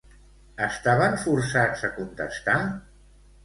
Estaven forçats a contestar?